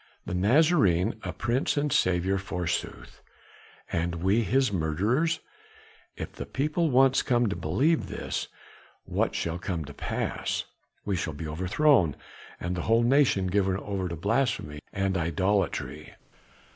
The Nazarene, a prince and saviour forsooth, and we his murderers! If the people once come to believe this, what shall come to pass? We shall be overthrown and the whole nation given over to blasphemy and idolatry."